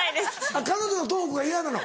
彼女のトークが嫌なの？